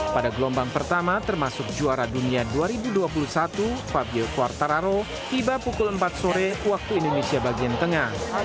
pada gelombang pertama termasuk juara dunia dua ribu dua puluh satu fabio quartararo tiba pukul empat sore waktu indonesia bagian tengah